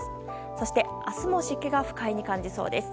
そして、明日も湿気が不快に感じそうです。